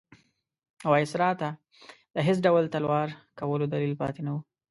وایسرا ته د هېڅ ډول تلوار کولو دلیل پاتې نه وو.